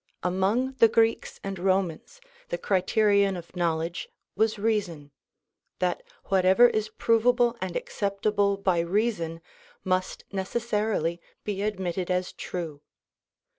Among the Greeks and Romans the criterion of knowledge was reason; that whatever is provable and acceptable by reason must necessarily be admitted as true.